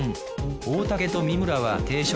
大竹と三村は定食。